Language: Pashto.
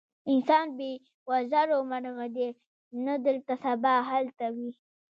انسان بې وزرو مرغه دی، نن دلته سبا هلته وي.